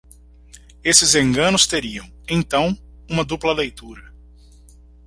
Esses enganos teriam, então, uma dupla leitura.